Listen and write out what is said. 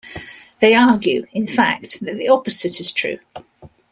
They argue, in fact, that the opposite is true.